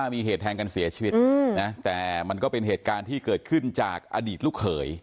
มีเหตุแทงกันเสียชีวิตนะแต่มันก็เป็นเหตุการณ์ที่เกิดขึ้นจากอดีตลูกเขย